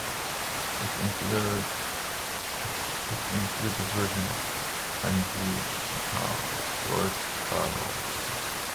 It included a version of Agincourt Carol.